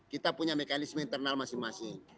kita punya mekanisme internal masing masing